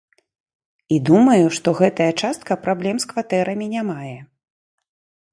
І думаю, што гэтая частка праблем з кватэрамі не мае.